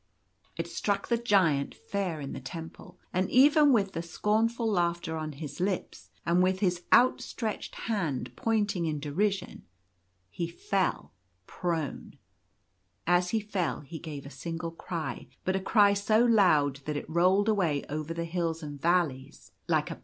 It struck the Giant fair in the temple ; and even with the scornful laughter on his lips, and with his outstretched hand pointing in derision, he fell prone. As he fell he gave a single cry, but a cry so loud that it rolled away over the hills and valleys like a t . t r .;. n. '.»■• f >, w.\\\. ■■\•■»..:!'.:<«■